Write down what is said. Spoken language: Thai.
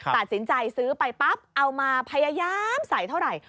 ตัดสินใจซื้อไปปั๊บเอามาพยายามใส่เท่าไหร่